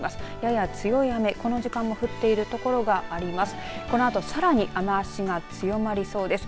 やや強い雨、この時間も降っている所があります。